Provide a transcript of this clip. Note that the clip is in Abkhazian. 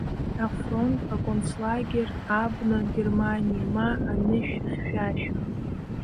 Афронт, аконцлагер, абна, Германиа, ма анышә хьшәашәа?